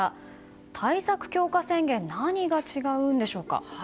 対策強化宣言何が違うんでしょうか。